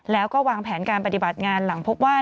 แล้วก็วางแผนการปฏิบัติงานหลังพบว่า